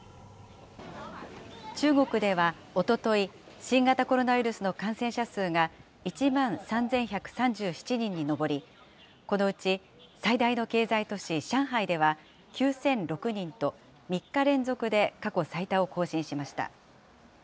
中国では、おととい、新型コロナウイルスの感染者数が１万３１３７人に上り、このうち最大の経済都市、上海では、９００６人と、３日連続で過去最多を更新しました。